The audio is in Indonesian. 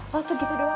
waktu gitu doang